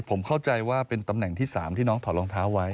ผมเข้าใจว่าเป็นตำแหน่งที่๓ที่น้องถอดรองเท้าไว้